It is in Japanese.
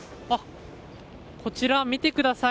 こちら、見てください。